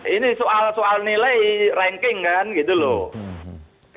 ini soal soal nilai ranking kan gitu loh